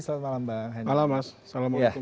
selamat malam bang handi